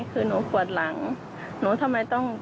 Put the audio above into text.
คือหนูปวดหลังหนูทำไมต้อง